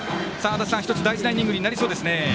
１つ大事なイニングになりそうですね。